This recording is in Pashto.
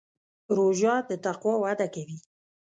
روژه د تقوا وده کوي.